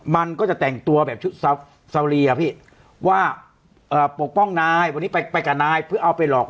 มันก็จะแต่งตัวแบบชุดซารีอะพี่ว่าเอ่อปกป้องนายวันนี้ไปไปกับนายเพื่อเอาไปหลอก